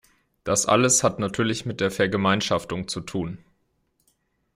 Das alles hat natürlich mit der Vergemeinschaftung zu tun.